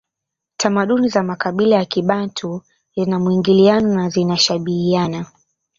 Tamaduni za makabila ya kibantu zina mwingiliano na zinashabihiana